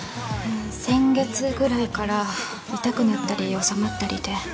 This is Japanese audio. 先月ぐらいから痛くなったり治まったりで。